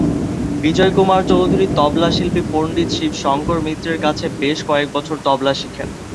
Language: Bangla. বিজন কুমার চৌধুরী তবলা শিল্পী পণ্ডিত শিব শঙ্কর মিত্রের কাছে বেশ কয়েক বছর তবলা শিখেন।